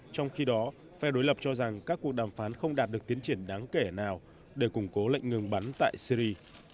trong khi đó phe đối lập cho rằng các cuộc đàm phán không đạt được tiến triển đáng kể nào để củng cố lệnh ngừng bắn tại syri